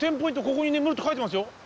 ここに眠る」って書いてますよ。